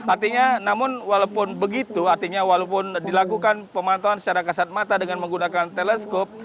artinya namun walaupun begitu artinya walaupun dilakukan pemantauan secara kasat mata dengan menggunakan teleskop